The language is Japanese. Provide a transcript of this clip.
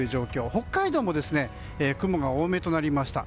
北海道も雲が多めとなりました。